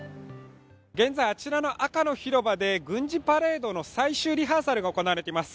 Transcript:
現在あちらの赤の広場で軍事パレードの最終リハーサルが行われています。